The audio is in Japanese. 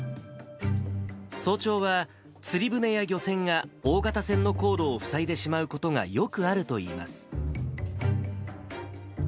早朝は、釣り船や漁船が大型船の航路を塞いでしまうことがよくあるといいます。